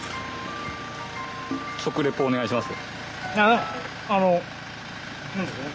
食レポお願いします。